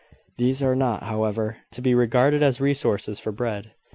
These are not, however, to be regarded as resources for bread.